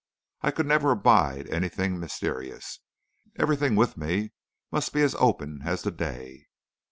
I could never abide anything mysterious. Everything with me must be as open as the day."